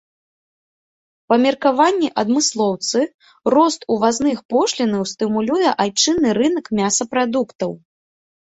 Па меркаванні адмыслоўцы, рост увазных пошлінаў стымулюе айчынны рынак мясапрадуктаў.